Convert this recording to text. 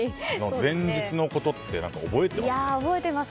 前日のことって覚えてますか？